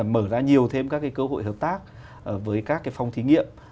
mở ra nhiều thêm các cơ hội hợp tác với các phòng thí nghiệm